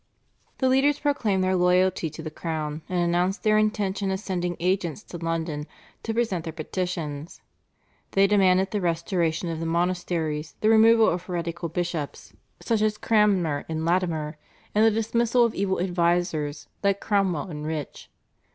The leaders proclaimed their loyalty to the crown, and announced their intention of sending agents to London to present their petitions. They demanded the restoration of the monasteries, the removal of heretical bishops such as Cranmer and Latimer, and the dismissal of evil advisers like Cromwell and Rich.